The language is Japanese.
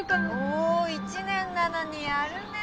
おぉ１年なのにやるね！